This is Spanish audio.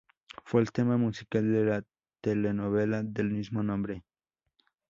Fue el tema musical de la telenovela del mismo nombre.